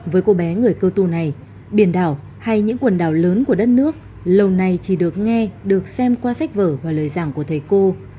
với cô bé người cơ tu này biển đảo hay những quần đảo lớn của đất nước lâu nay chỉ được nghe được xem qua sách vở và lời giảng của thầy cô